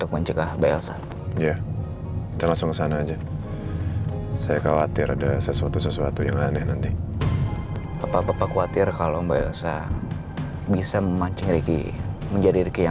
maaf kalau saya harus tinggalin kamu dulu din